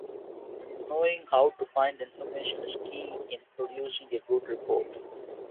Knowing how to find information is key in producing a good report.